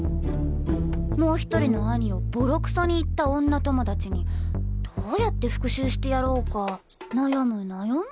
もう１人の兄をボロクソに言った女友達にどうやって復讐してやろうか悩む悩む。